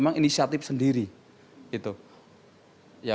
yang disudah dikelohkan